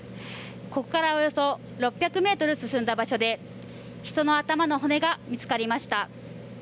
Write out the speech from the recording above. ここからおよそ６００ｍ進んだ場所で人の頭の骨が見つかりました。